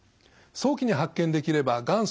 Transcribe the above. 早期に発見できればがん